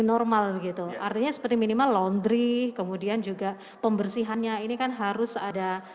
normal begitu artinya seperti minimal laundry kemudian juga pembersihannya ini kan harus ada